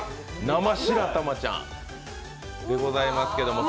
生しらたまちゃんでございますけれども。